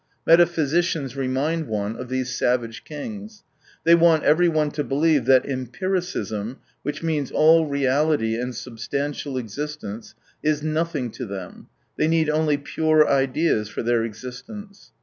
Meta physicians remind one of these savage kings. They want everyone to believe that empiricism, which means all reality and substantial existence, is nothing to them, they need only pure ideas for their existence.